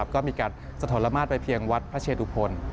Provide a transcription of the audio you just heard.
ก็มีการสะทนละมาตรไปเพียงวัดพระเชดุพล